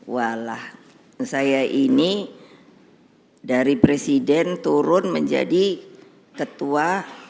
walah saya ini dari presiden turun menjadi ketua